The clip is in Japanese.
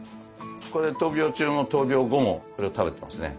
これは闘病中も闘病後もこれを食べてますね。